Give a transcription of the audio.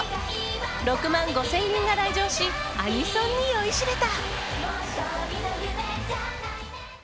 ６万５０００人が来場しアニソンに酔いしれた。